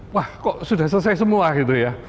wah kok sudah selesai semua gitu ya